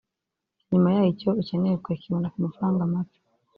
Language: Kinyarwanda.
na nyuma yaho icyo ukeneye ukakibona ku mafaranga make